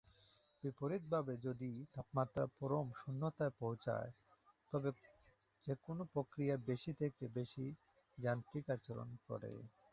বিপরীতভাবে যদি তাপমাত্রা পরম শূন্যতায় পৌছায় তবে যেকোনো প্রক্রিয়া বেশি থেকে বেশি যান্ত্রিক আচরণ করে।